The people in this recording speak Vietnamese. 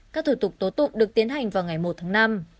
các thủ tục tố tụng được tiến hành vào ngày một tháng năm